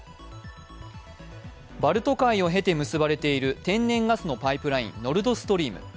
バルト海を経て結ばれている天然ガスのパイプライン、ノルドストリーム２。